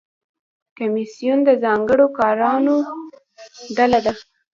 کمیسیون د ځانګړو کارونو ډله ده